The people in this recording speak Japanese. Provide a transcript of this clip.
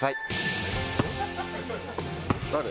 誰？